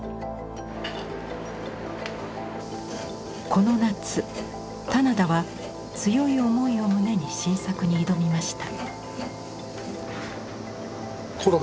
この夏棚田は強い思いを胸に新作に挑みました。